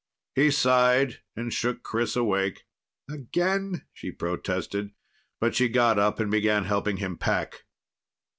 He sighed and shook Chris awake. "Again?" she protested. But she got up and began helping him pack.